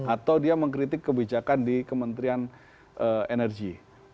atau dia mengkritik kebijakan di kementerian energi